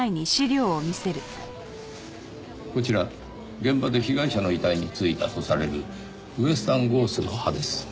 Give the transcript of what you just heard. こちら現場で被害者の遺体に付いたとされるウェスタンゴースの葉です。